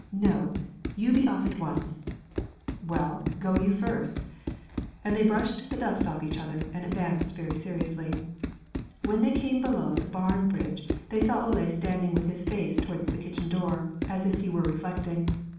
"No, you be off at once." "Well, go you first." And they brushed the dust off each other, and advanced very seriously. When they came below the barn bridge they saw Ole standing with his face towards the kitchen door, as if he were reflecting.